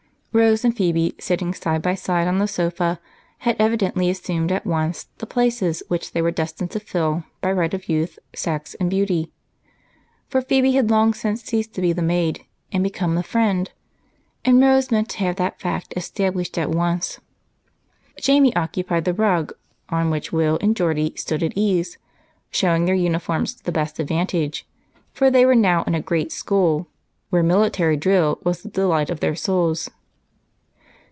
Rose and Phebe, sitting side by side on the sofa, had evidently assumed at once the places which they were destined to fill by right of youth, sex, and beauty, for Phebe had long since ceased to be the maid and become the friend, and Rose meant to have that fact established at once. Jamie occupied the rug, on which Will and Geordie stood at ease, showing their uniforms to the best advantage, for they were now in a great school, where military drill was the delight of their souls.